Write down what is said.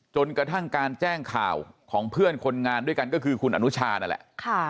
จนกระทั่งการแจ้งข่าวของเพื่อนคนงานด้วยกันก็คือคุณอนุชานั่นแหละ